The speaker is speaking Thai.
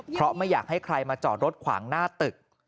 เพราะไม่อยากให้ใครมาจอดรถขวางหน้าตึก